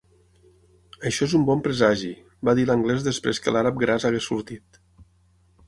"Això és un bon presagi" va dir l'anglès després que l'àrab gras hagués sortit.